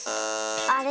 あれ？